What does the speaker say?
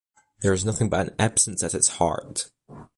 There is nothing but an absence at its heart.